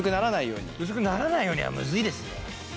薄くならないようにはむずいですね。